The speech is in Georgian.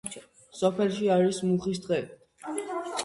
სოფელში არის მუხის ტყე.